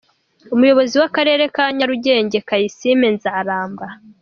Umuyobozi w’ akarere ka Nyarugenge Kayisime Nzaramba.